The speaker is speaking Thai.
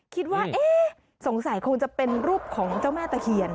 คิดว่าเอ๊ะสงสัยคงจะเป็นรูปของเจ้าแม่ตะเคียน